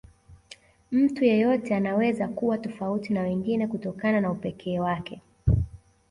Mtu yeyote anaweza kuwa tofauti na wengine kutokana na upekee wake